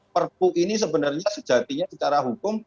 perpu ini sebenarnya sejatinya secara hukum